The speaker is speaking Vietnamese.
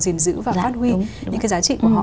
gìn giữ và phát huy những cái giá trị của họ